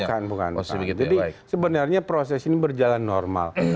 jadi sebenarnya proses ini berjalan normal